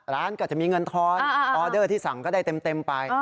ร้านก็จะมีเงินทอนออเดอร์ที่สั่งก็ได้เต็มไป